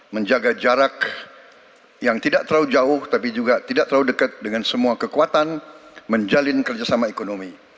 menjaga jarak yang tidak terlalu jauh tapi juga tidak terlalu dekat dengan semua kekuatan menjalin kerjasama ekonomi